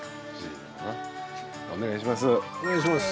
お願いします。